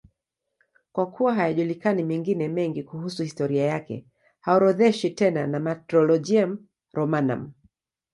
Kwa kuwa hayajulikani mengine mengi kuhusu historia yake, haorodheshwi tena na Martyrologium Romanum.